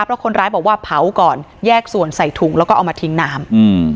เพราะคนร้ายบอกว่าเผาก่อนแยกส่วนใส่ถุงแล้วก็เอามาทิ้งน้ำ